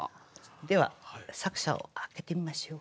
では作者を開けてみましょう。